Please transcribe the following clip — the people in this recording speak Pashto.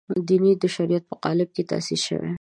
دین د شریعت په قالب کې تاسیس شوی.